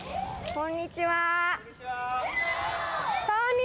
こんにちは！